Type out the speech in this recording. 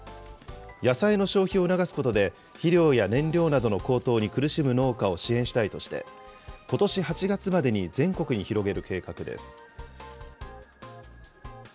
野菜の消費を促すことで、肥料や燃料などの高騰に苦しむ農家を支援したいとして、ことし８月までに全国に広げる計画です。